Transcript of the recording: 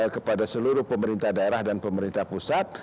kepada seluruh pemerintah daerah dan pemerintah pusat